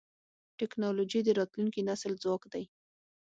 ټکنالوجي د راتلونکي نسل ځواک دی.